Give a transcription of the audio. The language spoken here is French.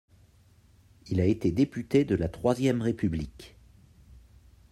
Il a été député de la Troisième République.